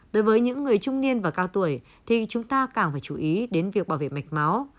đối với những người trung niên và cao tuổi thì chúng ta càng phải chú ý đến việc bảo vệ mạch máu